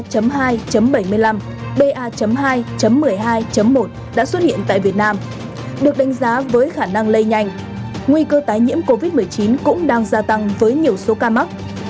và ba một đã xuất hiện tại việt nam được đánh giá với khả năng lây nhanh nguy cơ tái nhiễm covid một mươi chín cũng đang gia tăng với nhiều số ca mắc